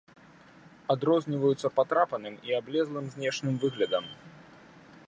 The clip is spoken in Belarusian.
Адрозніваюцца патрапаным і аблезлым знешнім выглядам.